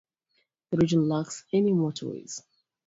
The region lacks any motorways.